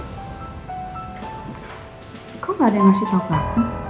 kok gak ada yang ngasih tau kamu